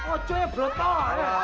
ojo ya brotong